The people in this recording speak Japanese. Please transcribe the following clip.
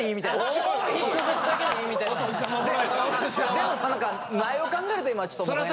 でも前を考えると今ちょっと。